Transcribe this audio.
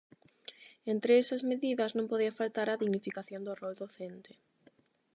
Entre esas medidas non podía faltar a dignificación do rol docente.